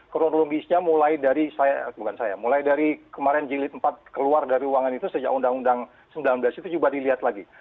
kronologisnya mulai dari kemarin jilid iv keluar dari uang itu sejak undang undang sembilan belas itu juga dilihat lagi